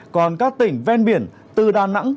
còn các tỉnh ven biển từ đà nẵng